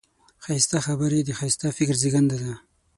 ښایسته خبرې د ښایسته فکر زېږنده ده